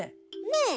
ねえ？